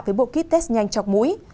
với bộ ký test nhanh chọc mũi